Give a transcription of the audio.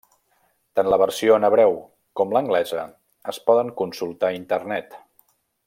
Tant la versió en hebreu com l'anglesa es poden consultar a internet.